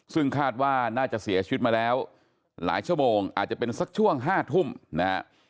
ซึ่งคาดว่าน่าจะเสียชีวิตมาแล้วหลายชั่วโมงอาจจะเป็นสักช่วง๕ทุ่มนะฮะ